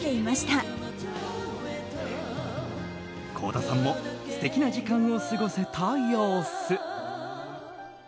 倖田さんも素敵な時間を過ごせた様子。